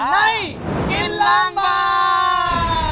ในกินร่างบาง